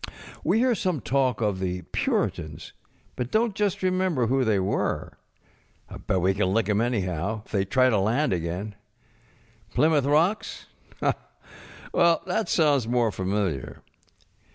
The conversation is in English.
We hear some talk of the Puritans, but donŌĆÖt just remember who they were. Bet we can lick ŌĆÖem, anyhow, if they try to land again. Plymouth Rocks ? Well, that sounds more familiar.